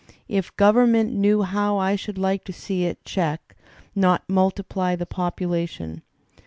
If government knew how, I ediould like to see it check, not r the population.